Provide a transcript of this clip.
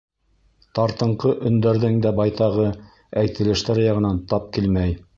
Тартынҡы өндәрҙең дә байтағы әйтелештәре яғынан тап килмәй.